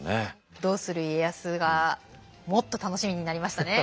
「どうする家康」がもっと楽しみになりましたね。